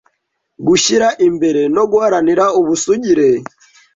gushyira imbere no guharanira ubusugire,